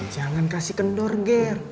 jangan kasih kendor gir